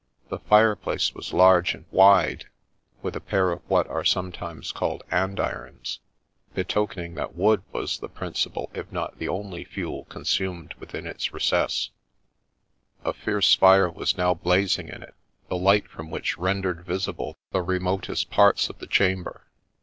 The fireplace was large and wide, with a pair of what are sometimes called andirons, betokening that wood was the principal, if not the only fuel consumed within its recess ; a fierce lire was now blazing in it, the light from which rendered visible the remotest parts of the chamber.